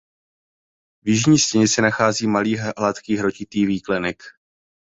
V jižní stěně se nachází malý hladký hrotitý výklenek.